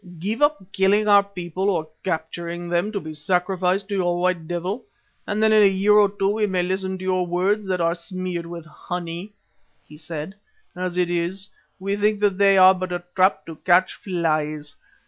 "Give up killing our people or capturing them to be sacrificed to your White Devil, and then in a year or two we may listen to your words that are smeared with honey," he said. "As it is, we think that they are but a trap to catch flies.